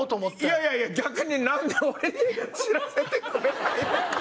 いやいやいや逆になんで俺に知らせてくれないのか。